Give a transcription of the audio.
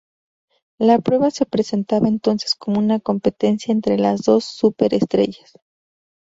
La prueba se presentaba entonces como una competencia entre las dos súper estrellas.